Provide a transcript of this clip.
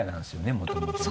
もともとね。